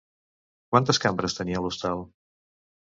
Quantes cambres tenia l'hostal?